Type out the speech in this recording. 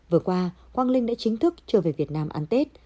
vừa qua quang linh đã chính thức trở về việt nam ăn tết